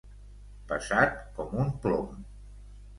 Pesat com un plom.